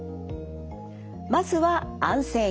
まずは安静に。